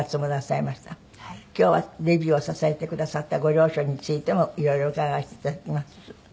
今日はデビューを支えてくださったご両親についてもいろいろ伺わせていただきます。